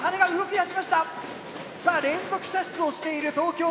さあ連続射出をしている東京Ｂ